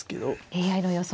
ＡＩの予想